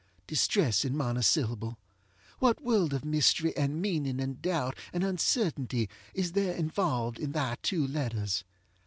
Distressing monosyllable! what world of mystery, and meaning, and doubt, and uncertainty is there involved in thy two letters!